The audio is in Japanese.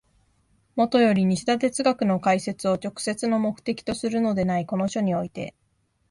もとより西田哲学の解説を直接の目的とするのでないこの書において、